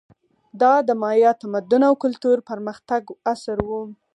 دا د مایا تمدن او کلتور پرمختګ عصر و.